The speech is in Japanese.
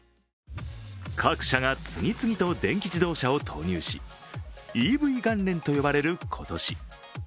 各社が次々と電気自動車を投入し、ＥＶ元年と呼ばれる今年。